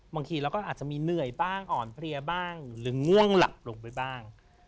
บางทีเราก็อาจจะมีเหนื่อยบ้างอ่อนเพลียบ้างหรือง่วงหลับลงไปบ้าง